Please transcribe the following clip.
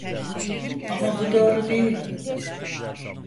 Ama bu doğru değil.